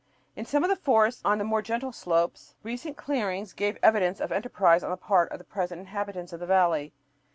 In some of the forests on the more gentle slopes recent clearings gave evidence of enterprise on the part of the present inhabitants of the valley.